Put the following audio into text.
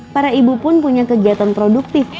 para ibu pun punya kegiatan produktif